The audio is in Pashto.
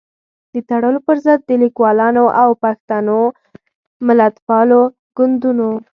د تړلو پر ضد د ليکوالانو او پښتنو ملتپالو ګوندونو